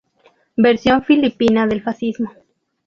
Versión filipina del fascismo.